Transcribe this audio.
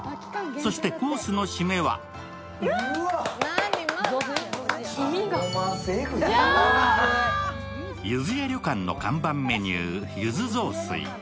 そしてコースの締めは柚子屋旅館の看板メニュー、柚子雑炊。